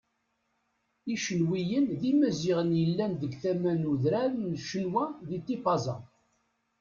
Icenwiyen d Imaziɣen yellan deg tama n udran n Cenwa di Tipaza.